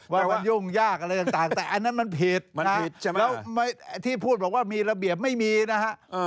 ว่ามันยุ่งยากอะไรต่างแต่อันนั้นมันผิดใช่ไหมแล้วที่พูดบอกว่ามีระเบียบไม่มีนะฮะ